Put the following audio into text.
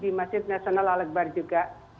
di masjid nasional al akbar juga